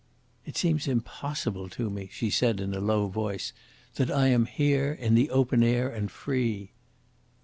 "It seems impossible to me," she said in a low voice, "that I am here, in the open air, and free."